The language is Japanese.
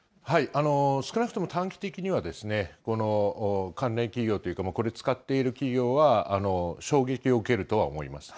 少なくとも短期的にはこの関連企業というか、これ、使っている企業は衝撃を受けるとは思います。